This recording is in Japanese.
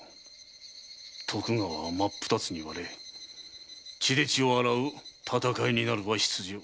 徳川は真っ二つに割れ血で血を洗う戦いになるは必定。